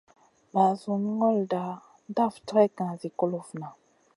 Ɓasunda ŋolda daf dregŋa zi kulufna.